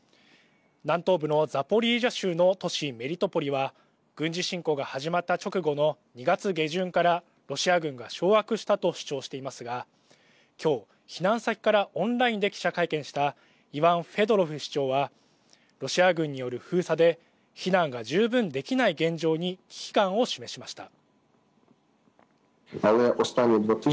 南東部のザポリージャ州の都市メリトポリは軍事侵攻が始まった直後の２月下旬からロシア軍が掌握したと主張していますがきょう、避難先からオンラインで記者会見したイワン・フェドロフ市長はロシア軍による封鎖で避難が十分できない現状に危機感を示しました。